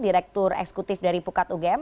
direktur eksekutif dari pukat ugm